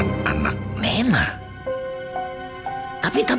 dan hasilnya tetap nggak cocok